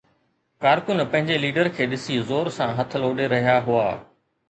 ڪارڪن پنهنجي ليڊر کي ڏسي زور سان هٿ لوڏي رهيا هئا